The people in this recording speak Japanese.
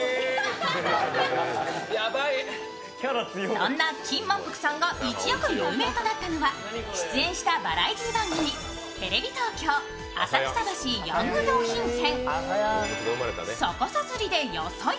そんな金萬福さんが一躍有名となったのは出演したバラエティー番組テレビ東京「浅草橋ヤング洋品店」。